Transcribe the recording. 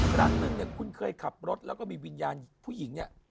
ครั้งหนึ่งคุณเคยขับรถแล้วก็มีวิญญาณผู้หญิง